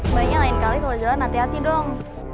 mbaknya lain kali kalau jalan hati hati dong